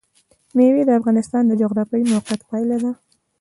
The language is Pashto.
مېوې د افغانستان د جغرافیایي موقیعت پایله ده.